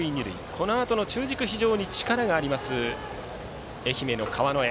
このあとの中軸、非常に力がある愛媛の川之江。